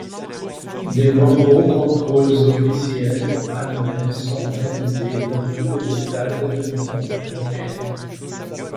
De nombreux contrôles officiels annuels sont réalisés dans tous les États de l'Union européenne.